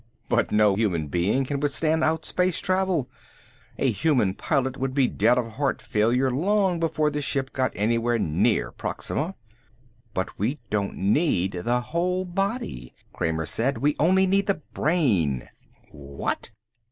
"But no human being can withstand outspace travel. A human pilot would be dead of heart failure long before the ship got anywhere near Proxima." "But we don't need the whole body," Kramer said. "We need only the brain." "What?"